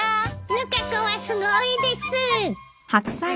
ぬか子はすごいです。